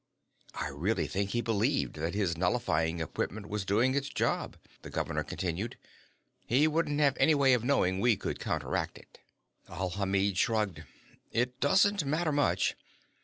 "I really think he believed that his nullifying equipment was doing its job," the governor continued. "He wouldn't have any way of knowing we could counteract it." Alhamid shrugged. "It doesn't matter much.